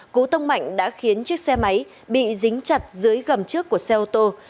cú tông mạnh đã khiến chiếc xe máy bị dính chặt dưới gầm trước của xe ô tô